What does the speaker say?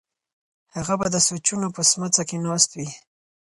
هغه به د سوچونو په سمڅه کې ناست وي.